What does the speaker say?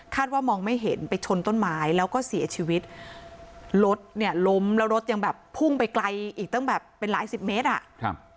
ว่ามองไม่เห็นไปชนต้นไม้แล้วก็เสียชีวิตรถเนี่ยล้มแล้วรถยังแบบพุ่งไปไกลอีกตั้งแบบเป็นหลายสิบเมตรอ่ะครับ